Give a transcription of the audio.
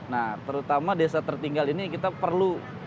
nah terutama desa tertinggal ini kita perlu